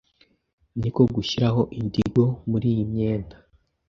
niko gushyiramo Indigo muri iyi myenda